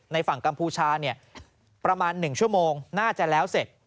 ฝั่งกัมพูชาประมาณ๑ชั่วโมงน่าจะแล้วเสร็จ